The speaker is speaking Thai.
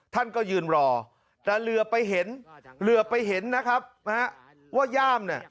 ท่านก็ยืนรอแต่เหลือไปเห็นเหลือไปเห็นว่าย่ามน่ะ